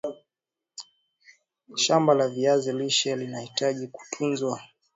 shamba la viazi lishe linahitaji kutunzwa